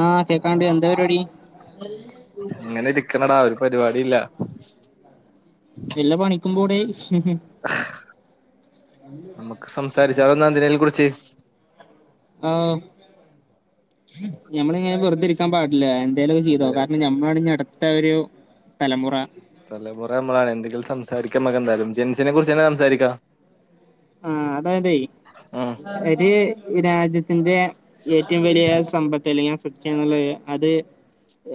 ആഹ കേക്കാണ്ട് എന്താ പരിപാടി. അങ്ങനെ ഇരിക്കണടാ ഒരു പരിപാടി ഇല്ല. വല്ല പണിക്കുമ്പോടി. നമുക്ക് സംസാരിച്ചാലോ നന്തിനേലും കുറിച്ച്. ആ ഞമ്മളിങ്ങനെ വെറുതെരിക്കാൻ പാടില്ല. എലൊക്കെ ചെയ്തോ അതെ കാരണം ഞമ്മആണ് അടുത്ത ഒരു തലമുറ. തലമുറ നമ്മളാണ്. എന്തെങ്കിലും സംസാരിക്കാമ്മക്കെന്തായാലും. ജെൻസിനെ കുറിച്ച്ന്നെ സംസാരിക്കാ. ആഹ അത ആയത്. ഉം ഒരു രാജ്യത്തിന്റെ. ഏറ്റവും വലിയ സമ്പത്ത്. അല്ലെങ്കിൽ സത്യ എന്നുള്ള അത്.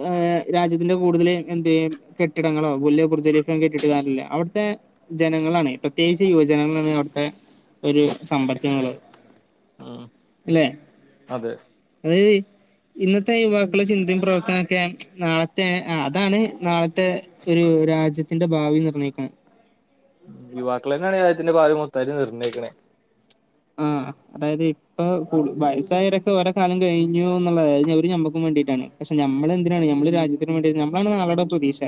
ഹ് രാജ്യത്തിന്റെ കൂടുതലും എന്ത്. കെട്ടിടങ്ങളോ വലിയ ബുർജ്ഖലീഫ കെട്ടിട്ട് കാര്യല്ല അവിടുത്തെ ജനങ്ങളാണ് പ്രത്യേകിച്ച് യുവജനങ്ങളാണ്. അവിടുത്തെ ഒരു സമ്പർക്കുള്ളത്. ഉം അല്ലേ അതെ അതായത്. [inaudible] ഇന്നത്തെ യുവാക്കളെ ചിന്തയും പ്രവർത്തനൊക്കെ. നാളത്തെ അതാണ് നാളത്തെ ഒരു. രാജ്യത്തിന്റെ ഭാവി നിർണ്ണയിക്കണ്. യുവാക്കള തന്നെയാണ് രജത്തിന്റെ ഭാഗം മുത്തായി നിർണയിക്ക്ണ്. ആ അതായത് ഇപ്പൊ കു വയസ്സായരൊക്കെ ഒരേ കാലം കഴിഞ്ഞു. എന്നുള്ളത്ത് ഒരു ഞമ്മക്കും വേണ്ടിട്ടാണ്. പക്ഷെ നമ്മളെന്തിനാണ് നമ്മ രാജ്യത്തിന് വേടി. നമ്മളാണ് നളുടെ പ്രതീക്ഷ.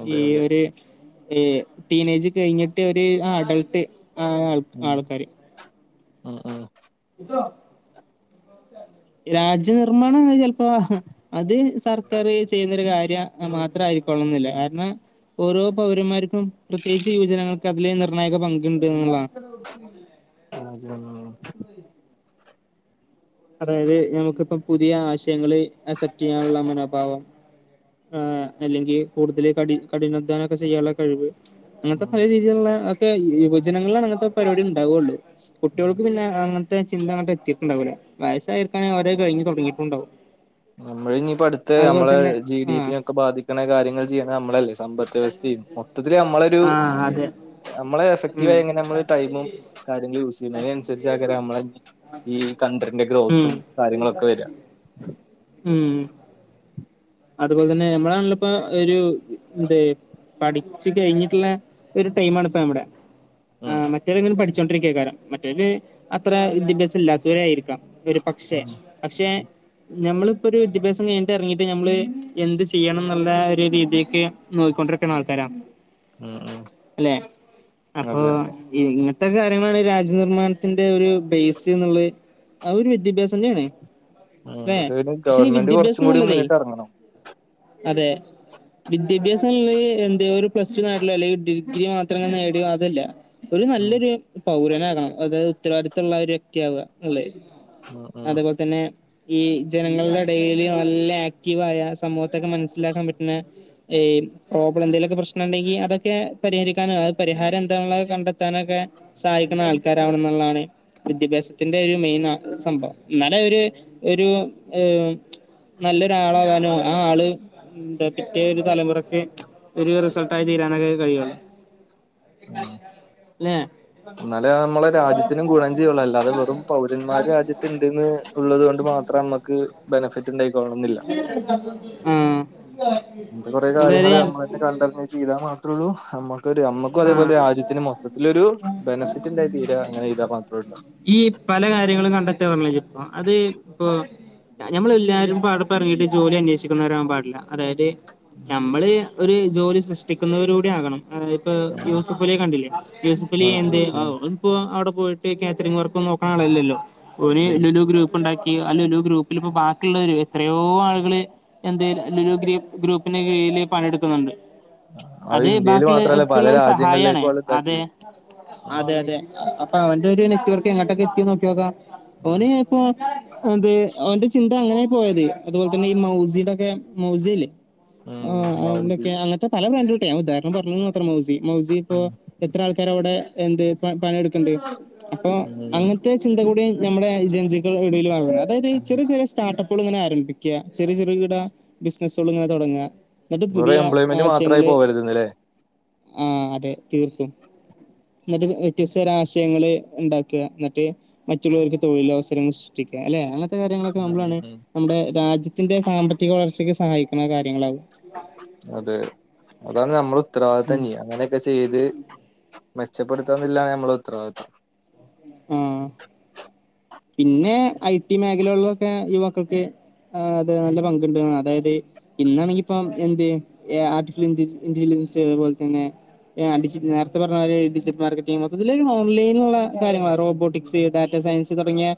അതെ അതെ. ഏ ടീനേജ് കഴിഞ്ഞിട്ട് ഒരു അഡൾട്ട് ആ ആൾ ആൾക്കാര്. ആ ആ [unintelligible] രാജ്യ നിർമ്മാണം ചിലപ്പോ അത് സർക്കാർ ചെയ്യുന്ന കാര്യം മാത്രമായിരിക്കും. ള്ളില്ല കാരണം ഓരോ പൗരന്മാർക്കും പ്രത്യേകിച്ച് യുവജനങ്ങൾക്ക് അതിൽ നിർണ്ണായക പങ്കുണ്ട്. ഉ.... [unintelligible] [unintelligible] അതായത് നമുക്കിപ്പം പുതിയ ആശയങ്ങള് അക്സെപ്റ്റ് ചെയ്യാനുള്ള മനോഭാവം. ആ് അല്ലെങ്കിൽ കൂടുതൽ ക കഠിനദാനൊക്കെ ചെയ്യാനുള്ള കഴിവ്. അങ്ങനത്തെ ഉം പല രീതിയിലുള്ള ഒക്കെ യുവജനങ്ങളാണ് അങ്ങനത്തെ പരിപാടി. ഉണ്ടാവുള്ളൂ ഉം കുട്ടികൾക്ക് പിന്നെ അങ്ങനത്തെ ചിന്ത അങ്ങനത്തെ എത്തിയിട്ടുണ്ടാവൂല. വയസ്സായിരിക്കണെങ്കിൽ അവരെ കഴിഞ് തുടങ്ങിയിട്ടുണ്ടാവും. നമ്മൾ ഇനിയിപ്പോ അടുത്ത് അതുപോലെ നമ്മളെ തന്നെ ജി ഡി പി ആഹ് നൊക്കെ ബാധിക്കണ കാര്യങ്ങൾ ചെയ്യണ നമ്മളല്ലേ സമ്പത്ത് വ്യവസ മൊത്തത്തില്ൽ നമ്മളരു ആഹ് അതെ നമ്മളെ ഉം എഫക്റ്റീവയി എങ്ങനെ നമ്മ ടൈമും.... കാര്യങ്ങൾ യൂസ് ചെയ്യുന്നതിനനുസരിച്ച് ആെ നമ്മള ഈ ക ന്റെ ഉം ഗ്രോത്തും കാര്യങ്ങളുക്കെ വരിക. ഉം. അതുപോലെ തന്നെ നഞമ്മളാണിലിപ്പോ ഒരു എന്ത്. പഠിച്ചു കഴിഞ്ഞിട്ടുള്ള ഒരു ടൈം ആണ് പ്പ നമുടെ. ആ ഉം മറ്റോവരെങ്ങനെ പഠിച്ചൊണ്ടിരിക്കാ കാരം മറ്റോവര് അത്ര വിദ്യാഭ്യാസം ഇല്ലാത്തോര ആയിരികം. ഒരു പക്ഷെ ഉം പക്ഷെ നമ്മളിപ്പോ ഒരു വിദ്യാഭ്യാസം കഴിഞ്ഞിട്ട് ഇറങ്ങിട്ട്. നമ്മള് എന്ത് ചെയ്യണം എന്നുള്ള ഒരു രീതിേക്ക് നോക്കിക്കൊണ്ടിരിക്കാണ ആൾക്കാരാ. ഉം ഉം അല്ലെ? അപ്പൊ.. അതെ ഇറ്റ കാര്യങ്ങളാണ് ഈ രാജ്യനിർമ്മാണത്തിന്റെ ഒരു ബേസ്ന്ളത്. അതൊരു വിദ്യാഭ്യാസം തന്നെയാണ്. ആ അല്ലെ പക്ഷെന് പക്ഷെ ഈ ഗവൺമെന്റ് കുറച്ചും വിദ്യാഭ്യാസം കൂടി എന്നുള്ളതേ മുന്നിട്ട് ഇറങ്ങണം. അതെ. വിദ്യാഭ്യാസം ളത് എന്ത ഒരു പ്ലസ് ടു നേട്ടല്ല് അല്ലെങ്കിൽ ഡിഗ്രി മാത്രം നേടി അതല്ല. ഒരു ഉം നല്ലൊരു പൗരന ആകണം. അതായത് ഉത്തരവാദിത്ത്തുള്ള ഒരു വക്കെ വ്യക്തി ആവുക നല്ലത്.. ഉം ഉം അതു. പോലെത്തന്നെ ഈ ജനങ്ങളുടെ ഇടയിൽ നല്ല ആ [unintelligible] സമൂഹത്തൊക്കെ മനസ്സിലാക്കൻ പറ്റുന്നഎ പ്രോബ്ലം എന്തെങ്കിലും. പ്രശ്നമുണ്ടെങ്കിൽ അതൊക്കെ. പരിഹരിക്കാനും അ പരിഹാരം എന്താുള്ള കണ്ടെത്താനൊക്കെ സഹായിക്കുന്ന ആൾക്കാരാണെന്നുള്ളതാണ് വിദ്യാഭ്യാസത്തിന്റെ ഒരു മെയിൻ സംഭവം എന്നാലെ ഒരു ഒരു ഏ നല്ലൊരാളാവാനോ ആ ആള് [unintelligible] തലമുറക്ക് ഒരു റിസൾട്ടായി തീരാനാക്കെ കഴിയും ഉം [unintelligible] എന്നാലേ നമ്മളെ രാജ്യത്തിനും ഗുണം ചെയ്യുള്ളു അല്ലാതെ വെറും പൗരന്മാര് രാജ്യത്ത്ണ്ട്ന്ന് [unintelligible] മാത്രം നമുക്ക് ബെനിഫിറ്റ് [unintelligible] ആ എത്തെ കൊറെ കാര്യങ്ങള്ൾ നമ്മൾ തന്നെ കണ്ടരഞ്ഞേ ചെയ്താൽ മാത്രേള്ളൂ [unintelligible] നമ്മക്കും അതേപോലെ ആഹ് രാജ്യത്തിന് മൊത്തത്തിലൊരു ബെനഫിറ്റ് ഉണ്ട തീര അങ്ങനെ ചെയ്താ മാത്രള്ളൂ ഈ പല കാര്യങ്ങളും കണ്ടെത്തിയാ [unintelligible] അത് ഇപ്പൊ ഞമ്മളെല്ലാരും [unintelligible] ജോലി അന്വേഷിക്കുന്നവരാകവാൻ പാടില്ല അതായത് നമ്മള് ഒരു ജോലി സൃഷ്ടിക്കുന്നവരുകൂടി ആകണം [unintelligible] ഇ ഉണ്ടാവൂ യൂസഫുലിയെ കണ്ടില്ലേ യൂസഫുലി ഉം ഉം എന്ത് ഉം [unintelligible] ഇപ്പോ അവിടെ പോയിട്ട് കാറ്ററിവർക്കും നോക്കാൻ ആളില്ലല്ലോ ഒരു [unintelligible] ഉം ഉം ഇ അല്ല ഗ്രൂപ്പില ഇപ്പ ബാക്കിയുള്ളവ എത്രയോ ആളുകള് എന്തായും [unintelligible] [unintelligible] പണിയെടുക്കുന്നുണ്ട് അത് ഇന്ത്യയില് മാത്രല്ല പല ആകെളെളാരു സഹായണ്, രാജ്യങ്ങളിലേക്കും ആള് അതെ ഇതാക്കില്ലേ ഉം അതെ അതെ ഉം [unintelligible] അതെ അവന്റെ ചിന്ത അങ്ങനെയ് പോയത്, അതുപോലെതന്നെ [unintelligible] ആ ഉം മൗതി അയ്ന്റൊക്കെ അങ്ങൻത്തെ പല ബ്രാൻഡിണ്ടെ, ഞാൻ ഉദാഹരണം പറഞ്ഞന്ന് മാത്രം മൗസി മൗസിപ്പോ ഉം എത്ര ആൾക്കാര് അവിടെ എന്ത് പണിയെടുക്ക്ണ്ട്‌ അപ്പൊ അങ്ങൻത്തെ ചിന്ത കൂടി നമ്മളെ ഏജൻസികൾ ഇടയില്, [unintelligible] അതായത് ഉം ചെറിയ ചെറിയ സ്റ്റാർട്ടപ്പ് [unintelligible] ഇങ്ങനെ ആരംഭിക്ക ചെറു ചെറുകിട ബിസിനസ്സുകൾ ഇങ്ങനെ തുടങ്ങുക എന്നിട്ട് വെറും പുതിയ എംപ്ലോയ്മെന്റ് മാത്രമായി ആശയങ്ങള്, പോകരുതെന്നല്ലേ ആഹ് അതെ തീർത്തും എന്നിട്ട് വ്യത്യസ്തൊരു ആശയങ്ങള് ഉണ്ടാക്കുക, എന്നിട്ട് മറ്റുള്ളവർക്ക് തൊഴിലവസരങ്ങൾ [unintelligible] അല്ലെ അങ്ങനത്തെ കാര്യങ്ങളൊക്കെ നമ്മളാണ് നമ്മുടെ രാജ്യത്തിന്റെ സാമ്പത്തിക വളർച്ചക്ക് സഹായിക്കുന്ന കാര്യങ്ങളാവും അതെ അതാണ് നമ്മൾ ഉം ഉത്തരവാദിത്തംഇനി അങ്ങനെയൊക്കെ ചെയ്ത് മെച്ചപ്പെടുത്തന്നില്ലാണ് നമ്മള് ഉത്തരവാദിത്വം ആഹ് പിന്നെ ഐ. ടി മേഖലകിലൊക്കെ യുവാക്കൾക്ക് ആ അതെ നല്ല പങ്കുണ്ട്, അതായത് ഇന്നാണെങ്കിപ്പ എന്ത് ആർട്ടിഫിഷ്യൽ [unintelligible] [unintelligible] ഡിജിറ്റ് നേരത്തെ പറഞ്ഞമാരി ഡിജിറ്റൽ മാർക്കറ്റിംഗ് മൊത്തത്തിലൊരോൺലൈനുള്ള കാര്യങ്ങളാ റോബോട്ടിക്സ്, ഡാറ്റാ സയൻസ് തുടങ്ങിയ,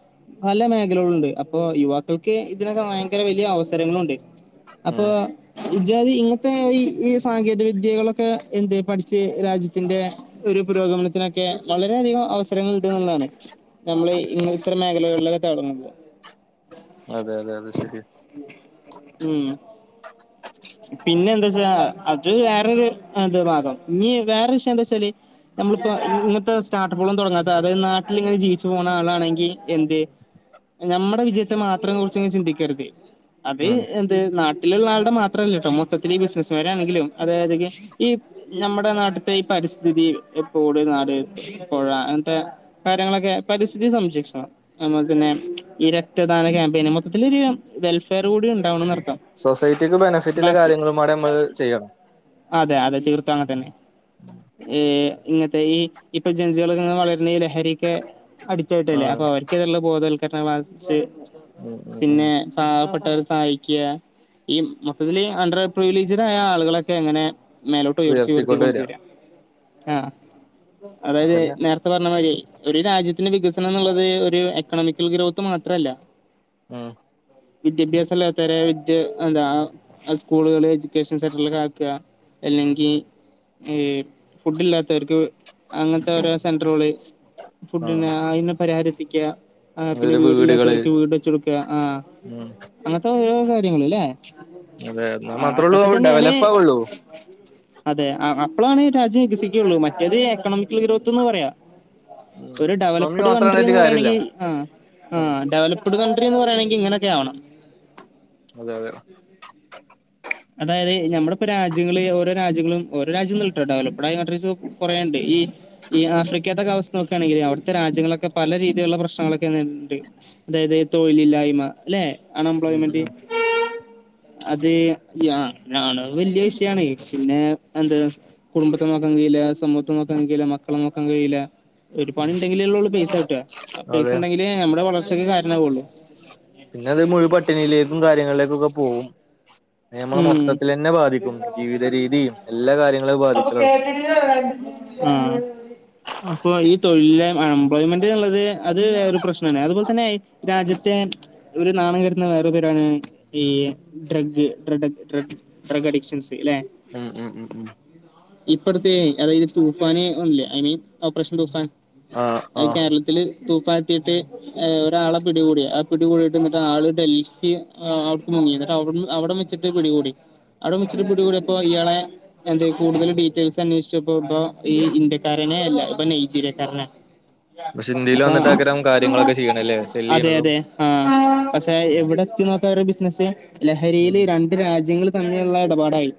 പല മേഖലകളുണ്ട് അപ്പോ യുവാക്കൾക്ക് ഇതിനൊക്കെ ഭയങ്കര വലിയ അവസരങ്ങളുണ്ട് അപ്പൊ ഉം ഇജ്ജാതി [unintelligible] ഈ സാങ്കേതിക വിദ്യകളൊക്കെ എന്ത് പഠിച്ച് രാജ്യത്തിന്റെ ഒരു പുരോഗമനത്തിനൊക്കെ വളരെയധികം [unintelligible] [unintelligible] ഇങ്ങൻത്തെരു മേഖലകളിലൊക്കെ തൊടങ്ങുമ്പോ അതെ അതെ അതെ ശരിയ പിന്നെന്താ വച്ചാ അത് വേറൊരു അങ്ങൻത്തഭാഗം, ഇനി വേറെ വിഷയം എന്താ വെച്ചാല് നമ്മളിപ്പോ ഇങ്ങനത്തെ സ്റ്റാർട്ടപ്പുകളും തുടങ്ങാത്ത അതായത് നാട്ടിലിങ്ങനെ ജീവിച്ചു പോണ ആളാണെങ്കിൽ എന്ത് ഞമ്മടെ വിജയത്തെ മാത്രം കുറിച്ചങ്ങ് ചിന്തിക്കരുത് അത് ഉം എന്ത് നാട്ടിലുള്ള ആളുടെ മാത്രല്ലാട്ടോ മൊത്തത്തലീ ബിസിനസ്കാരാണെങ്കിലും [unintelligible] [unintelligible] നമ്മുടെ നാട്ട്ത്തെ ഈ പരിസ്ഥിതിയും തോട്, നാട്, പുഴ, അങ്ങനത്തെ കാര്യങ്ങളൊക്കെ പരിസ്ഥിതി സംരക്ഷണം, നമ്മുക്കിന്ന് ഈ രക്തദാന ക്യാമ്പയിന് മൊത്തത്തിലൊരു വെൽഫെയർ കൂടി ഉണ്ടാവണന്നർത്തം ബെനഫിറ്റിള്ള കാര്യങ്ങളുംപാടെ ഞമ്മള് ചെയ്യണം അതെ അതെ തീർത്തും അങ്ങെ തന്നെ ഏ ഇങ്ങനത്തെ ഈ ഇപ്പൊ ജൻസികളൊക്കെങ്ങനെ വളരുന്ന ഈ ലഹരിക്ക് അടിക്റ്റായിട്ടല്ലേ ആഹ് അപ്പൊ അവർക്കത്തിനുള്ള ബോധവൽ ഉം ഉം ഉം പിന്നെ പാവപ്പെട്ടവരെ സഹായിക്കുക ഈ മൊത്തത്തില് അണ്ടർപ്രിവിലേജ്ട് ആയ ആളുകളൊക്കെ എങ്ങനെ മേലോട്ട് ഉയർത്തി ഉയർത്തി ഉയർത്തിക്കൊണ്ട് വരിക കൊണ്ടുവരാം ആഹ് അതായത് അതന്നെ നേരത്തെ പറഞ്ഞ മാരിയെ ഒരു രാജ്യത്തിന്റെ വികസനം എന്നുള്ളത് ഒരു എക്കണോമിക്കൽ ഗ്രോത്ത് മാത്രല്ല ആഹ് വിദ്യാഭ്യാസല്ലാത്തോരേ വെച് എന്താ ആ സ്കൂളുകള് എജ്യൂക്കേഷൻ സെന്റെറുകളിൽ ആക്കുക അല്ലെങ്കിൽ ഫുഡ് ഇല്ലാത്തവർക്ക് അങ്ങനത്തെ ഒരോ സെന്ററുകള് ഫുഡിന ആഹ് അയ്നെ പരിഹാരപ്പിക്കുക ആ പിന്നെ അതുപോലെ വീടുകള് വീടില്ലാത്തവർക്ക് വീട് വെച്ച് കൊടുക്കുക ആ ഉം അങ്ങനത്തെ ഓരോ കാര്യങ്ങള് ല്ലെ? അതെ എന്നാ ആ മാത്രേള്ളൂ അതൊക്കെ തന്നെയാണ് ഡെവലപ്പ് ആവുള്ളൂ അതെ ആ അപ്പോളാണ് രാജ്യം വികസിക്കുകയുള്ളൂ മറ്റേത് എക്കണോമിക്കൽ ഗ്രോത്ത്ന്ന് പറയാ ഉം ഒരു എക്കണോമി ഡെവലപ്ഡ് മാത്രം കൺട്രി കണ്ടിട്ട് എന്ന് കാര്യല്ല പറയയാണെങ്കി ആ ആ ഉം ഡെവലപ്ഡ് ക ഡ്രിന്ന് പറയണെങ്കി ഇങ്ങനെയൊക്കെ ആവണം അതെ അതെ അതായത് നമ്മുടെ ഇപ്പോ രാജ്യങ്ങള് ഓരോ രാജ്യങ്ങളും ഓരോ രാജ്യം ന്നിൽട്ടോ ഡെവലപ്ടായ കൺട്രീസ് കൊറേണ്ട് ഈ ഈ ആഫ്രിക്കേത്തൊക്കെ അവാവസ്ഥ നോക്കായാണെങ്കിലേ അവിടത്തെ രാജ്യങ്ങളൊക്കെ പല രീതിയിലുള്ള പ്രശ്നങ്ങളൊക്കെണ്ട് അതായത് തൊഴിലില്ലായ്മ ല്ലെ? ഉം അൺഎംപ്ലോ്മെന്റ് ഉം അത് അ ആള്കൾ വല്യ വിഷയാണെയ് പിന്നെ എന്ത കുടുംബത്തെ നോക്കൻ കഴിയില്ല സമൂഹ നോക്കാൻ കഴിയില്ല മക്കളെ നോക്കാൻ കഴിയില ഒരു പണി ഉണ്ടെങ്കിലള്ള ഉള്ളൂ പൈസ കിട്ടുക പൈസ അതെ ഉണ്ടെങ്കില് നമ്മടെ വളർച്ചക്ക് കാരണമാവുള്ളൂ പിന്നെ അത് മുഴു പട്ടിണിയിലേക്കും കാര്യങ്ങളിലേക്കൊക്കെ പോവും നമ്മൾ ഉം മൊത്തത്തിലെന്നെ ബാധിക്കും ജീവിത രീതി എല്ലാ കാര്യങ്ങളേം ബാധിക്കലോടങ്ങും ആഹ അപ്പൊ തൊഴില അ എംപ്ലോയ്മെന്റ് എന്നുള്ളത് അത് ഒരു പ്രശ്നമാണ് അതുപോലെ തന്നെ രാജ്യത്തെ ഒരു നാണം കെടുത്തുന്ന വേറ പേരാണ് ഡ്രക്ക് ഡ് ഡ്ര് ക്കാഅഡിക്ഷൻ ഉം ഉം ഉം ഉം ഇപ്പോട്ത്തെ അതായത് തൂഫാന് ഒന്നല്ലേ ഐ മീൻ ഓപ്പറേഷൻ തൂഫാൻ ആഹ് ആഹ് കേരളത്തില് തൂഫാത്തിട്ട് ഒരാളെ പിടികൂടി ആ പിടികൂടിട്ട് എന്നിട്ട് ആള് ഡൽഹി നിട്ട് അവിടെ അവടെ ചിട്ട് പിടികൂടി അവിടെ വിച്ചിട്ട് പിടികൂടി അപ്പോ ഇയാളെ എ കൂടുതൽ ഡീറ്റെയിൽസ് അന്വേഷിച്ച ഇപ്പൊ ഇപ്പൊ ഈ ഇന്ത്യക്കാരനെ അല്ല ഇപ്പൊ നൈജീരിയക്കാരനെ പക്ഷെ ഇന്ത്യയിൽ അപ്പൊ വന്നിട്ടാക്കാരം കാര്യങ്ങളൊക്കെ ചെയ്യണല്ലേ അതെ സെല്ലെയ്യണതും അതെ ആഹ പക്ഷെ എവിടെ എത്തി ബിസിനസ്സ് ഉം ലഹരിയില് രണ്ട് രാജ്യങ്ങൾ തമ്മിലുള്ള ഇടപാടായി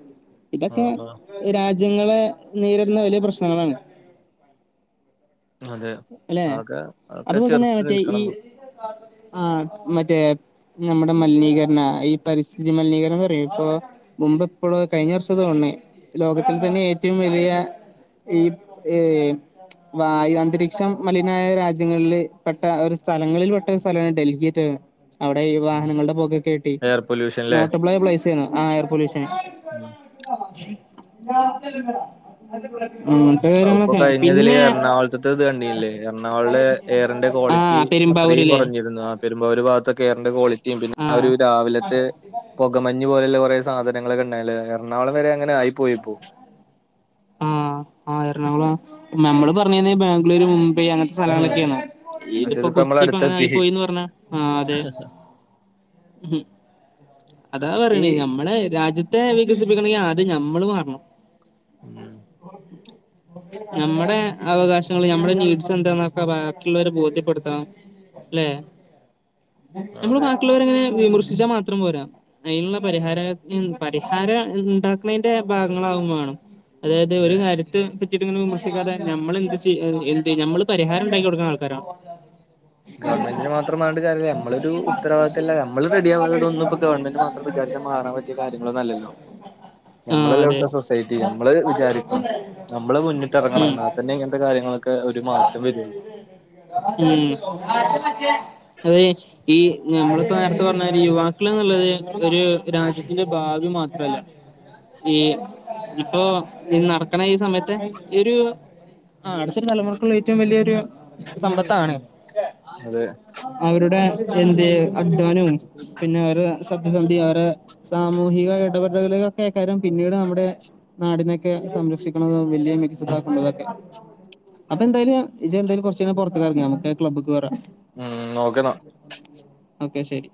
ഇതൊക്കെ ആഹ് ആഹ് രാജ്യങ്ങളെ നേരിടുന്ന വലിയ പ്രശ്നങ്ങളാണ് അതെ അല്ലെ ആകെ അതൊക്കെ അതുമുതലേ ചെറുത്ത് മറ്റേ ഈ നിൽക്കണം നമ്മള് ആഹ മറ്റേ നമ്മുടെ മലിനീകരണ ഈ പരിസ്ഥിതി വിതി മലിനീകരണം പറയും മുമ്പേപ്പോഴോ കഴിഞ്ഞ വർഷത്തെ തോന്ന് ലോകത്തിൽ തന്നെ ഏറ്റവും വലിയ ഈ ഏ വായു അന്തരീക്ഷം മലിനായ രാജ്യങ്ങളിൽ പെട്ട ഒരു സ്ഥലങ്ങളിൽ പെട്ട ഒരു സ്ഥലമാണ് ഡൽഹി അവിടെ ഈ വാഹനങ്ങളുടെ പുകക്കെയിട്ടേ എയർ പൊല്യൂഷൻല്ലേ നോട്ടപ്ലൈ പ്ലൈസ്ന്നു ആ എയർ പൊല്യൂഷന് യാ തെല്ലുമാല അ ഇപ്പോൊ കഴിഞ്ഞതില് എറണാകുളത്ത ഇത് കണ്ടീല്ലേ എറണാകുളെ എയറിന്റെ ക്വാളിറ്റി ആഹ് അത്രയും പെരുമ്പാവൂരില്ലേ കുറഞ്ഞിരുന്നു ആ പെരുമ്പാവൂർ ഭാഗത്ത് ഒക്കെ കയറിന്റെ കോളിറ്റി പിന്നെ ആ ഒരു രാവിലത്തെ ആ ആ ആ ഒരു ആഹ് രാവിലത്തെ പുകമഞ്ഞ് പോലുള്ള കുറേ സാധനങ്ങളൊക്കെ ഉണ്ടായല് എറണാകുളം വരെ അങ്ങന ആയിപ്പോയിപ്പോ ആഹ ആഹ് എറണാകുളം നമ്മള് പറഞ്ഞത് ബാംഗ്ലൂരുും യി ഞങ്ങൾ സ്ഥലം ഉം അളക്കാണ് പക്ഷെ ഇതിപ്പോ നമ്മളെ കൊച്ചിപ്പങ്ങനെ ആയി അടുത്തെത്തി പോയിന്ന് പറഞ്ഞ ആ അതെ ഉം അതാ അതൊക്കെ പറയണേ ഈ ഞമ്മളെ രാജ്യത്തെ വികസിപ്പിക്കണെങ്കിൽ ആദ്യം ഞമ്മള് മാറണം. ഉം നമ്മുടെ അവകാശങ്ങള് നമ്മുടെ നീഡ്സ് എന്താന്നൊക്കെ ബാക്കിയുള്ളവരെ ബോധ്യപ്പെടുത്തണം. ല്ലെ നമ്മള് അതെ ബാക്കിയുള്ളവരെ അങ്ങനെ വിമർശിച്ചാൽ മാത്രം പോരാ. അതിനുള്ള പരിഹാര പരിഹാരം ഉണ്ടാക്കണേൻ്റെ ഭാഗങ്ങളാകും വേണം. അതായത് ഒരു അതെ കാര്യത്തെ പറ്റി ഇതിനൊന്നും വിമർശിക്കാതെ നമ്മളെന്ത് ചെയ് എന്ത് നമ്മള് പരിഹാരം ഉണ്ടാക്കി കൊടുക്കുന്ന ആൾക്കാരോ? ഗവൺമെന്റിനെ മാത്രം പറഞ്ഞിട്ട് കാര്യമില്ല. നമ്മളുടെ ഒരു ഉത്തരവാദിത്തമില്ല നമ്മള് റെഡി ആവാതെ ഇതൊന്നും ഇപ്പൊ ഗവൺമെന്റ് മാത്രം നമ്മള് വിചാരിച്ച മാറാൻ പറ്റിയ കാര്യങ്ങളൊന്നും അല്ലല്ലോ ആഹ് നമ്മളല്ല അതെ ഇവിടുത്തെ സൊസൈറ്റി. നമ്മള് വിചാരിക്കണം. നമ്മള് മുന്നിട്ട് ഇറങ്ങണം എന്നാ തന്നെ ഉം ഇങ്ങനത്തെ കാര്യങ്ങള് [inaudible] ഒരു മാറ്റം വരൊള്ളു ഉം [inaudible] അതെ ഈ നമ്മളിപ്പോ നേരത്തെ പറഞ്ഞമാതിരി യുവാക്കൾ എന്നുള്ളത് ഒരു രാജ്യത്തിന്റെ ഭാവി മാത്രല്ല ഈ ഇപ്പൊ ഈ നടക്കണ ഈ സമയത്തെ ഈ ഒരു ആ അടുത്തൊരു തലമുറക്കുള്ള ഏറ്റവും വലിയൊരു സമ്പത്താണ് [inaudible] അതെ അവരുടെ എന്ത് അധ്വാനവും പിന്നെ വേറെ സത്യസന്ധി അവരെ സാമൂഹിക ഇടപെടലുകളൊക്കെ കാര്യം പിന്നീട് നമ്മുടെ നാടിനൊക്ക സംരക്ഷിക്കണത് വല്യ മികച്ചതാക്കുന്നതൊക്കെ അപ്പെന്തായാലും ഇജ്ജ് എന്തായാലും കുറച്ച് നേരം പുറത്തേക്ക്റെങ്ങ് ഞമ്മക്ക് ക്ലബ്‌ക്‌വരാ ഉം നോക്ന്നോ ഓക്കെ ശരി